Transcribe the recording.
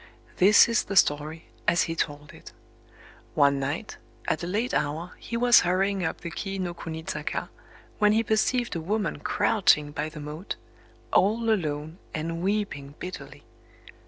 This is the story, as he told it:— One night, at a late hour, he was hurrying up the Kii no kuni zaka, when he perceived a woman crouching by the moat, all alone, and weeping bitterly.